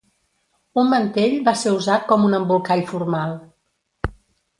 Un mantell va ser usat com un embolcall formal.